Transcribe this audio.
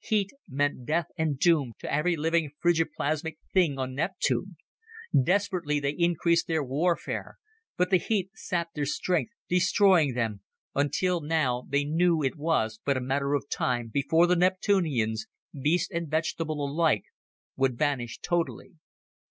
Heat meant death and doom to every living frigi plasmic thing on Neptune. Desperately, they increased their warfare, but the heat sapped their strength, destroying them, until now they knew it was but a matter of time before the Neptunians, beast and vegetable alike, would vanish totally.